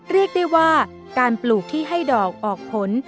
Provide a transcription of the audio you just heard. เรียกได้ว่าการปลูกที่ให้ดอกออกผล